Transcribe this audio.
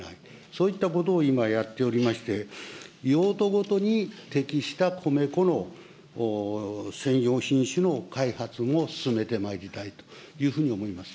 そういったことを今やっておりまして、用途ごとに適した米粉の専用品種の開発も進めてまいりたいというふうに思います。